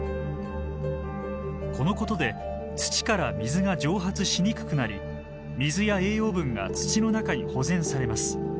このことで土から水が蒸発しにくくなり水や栄養分が土の中に保全されます。